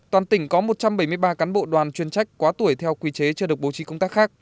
toàn tỉnh có một trăm bảy mươi ba cán bộ đoàn chuyên trách quá tuổi theo quy chế chưa được bố trí công tác khác